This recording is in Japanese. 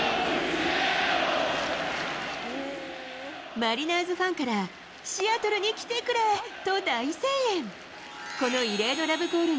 マリナーズファンから、シアトルに来てくれ！と大声援。